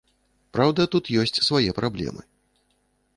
Праўда, тут ёсць свае праблемы.